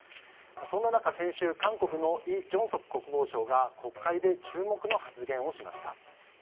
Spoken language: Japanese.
そんな中、先週韓国のイ・ジョンソプ国防相が国会で注目の発言をしました。